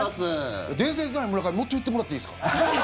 伝説になれ村上もっと言ってもらっていいですか？